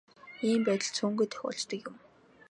Ийм байдал цөөнгүй тохиолддог юм.